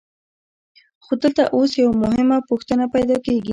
خو دلته اوس یوه مهمه پوښتنه پیدا کېږي